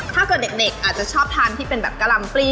ถ้าเกิดเด็กอาจจะชอบทานที่เป็นแบบกะลำปลี้